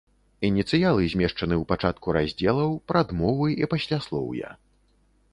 Ініцыялы змешчаны ў пачатку раздзелаў, прадмовы і пасляслоўя.